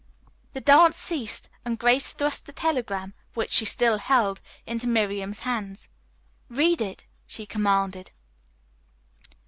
The dance ceased and Grace thrust the telegram, which she still held, into Miram's hands. "Read it," she commanded.